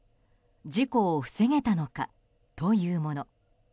事故を防げたのか？というもの。